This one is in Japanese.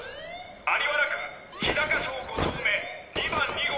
在原区日高町５丁目２番２号。